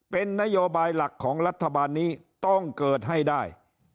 เป็นนโยบายหลักของรัฐบาลนี้ต้องเกิดให้ได้